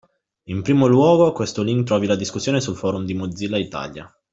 In primo luogo a questo link trovi la discussione sul forum di Mozilla Italia